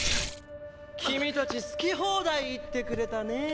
君たち好き放題言ってくれたねぇ。